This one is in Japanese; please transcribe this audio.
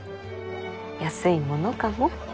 安いものかも。